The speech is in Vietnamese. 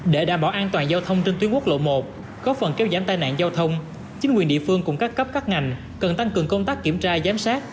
để đảm bảo an toàn giao thông trên tuyến quốc lộ một góp phần kéo giảm tai nạn giao thông chính quyền địa phương cùng các cấp các ngành cần tăng cường công tác kiểm tra giám sát